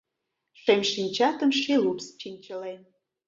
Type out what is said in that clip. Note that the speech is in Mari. Шем шинчатым ший лупс чинчылен.